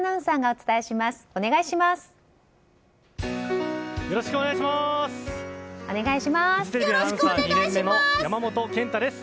お願いします。